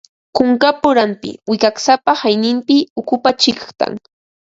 Kunkapa uranpi, wiksapa hanayninpi ukupa chiqtan